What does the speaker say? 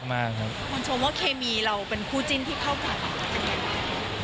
คนชมว่าเคมีเราเป็นคู่จิ้นที่เข้ากัน